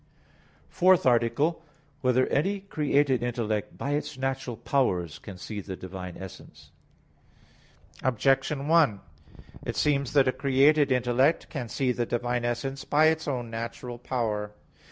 _______________________ FOURTH ARTICLE [I, Q. 12, Art. 4] Whether Any Created Intellect by Its Natural Powers Can See the Divine Essence? Objection 1: It seems that a created intellect can see the Divine essence by its own natural power.